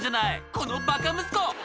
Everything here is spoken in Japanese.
「このバカ息子！」